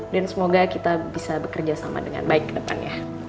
dan semoga kita bisa bekerja sama dengan baik ke depannya